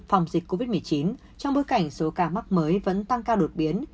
phòng dịch covid một mươi chín trong bối cảnh số ca mắc mới vẫn tăng cao đột biến